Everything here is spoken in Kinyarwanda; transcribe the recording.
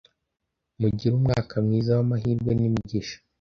mugire umwaka mwiza wamahirwe nimigisha